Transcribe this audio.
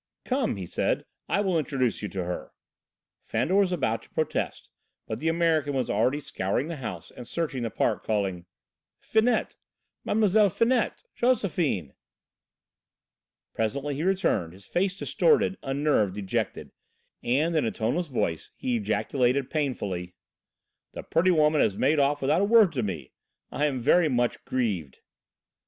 "Come," he said, "I will introduce you to her." Fandor was about to protest, but the American was already scouring the house and searching the park, calling: "Finette, Mlle. Finette, Josephine!" Presently he returned, his face distorted, unnerved, dejected, and in a toneless voice he ejaculated painfully: "The pretty little woman has made off without a word to me. I am very much grieved!"